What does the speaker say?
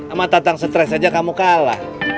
sama tatang stres aja kamu kalah